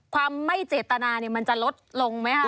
ความไม่เจตนามันจะลดลงไหมคะ